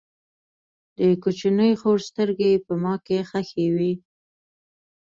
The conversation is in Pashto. د کوچنۍ خور سترګې یې په ما کې خښې وې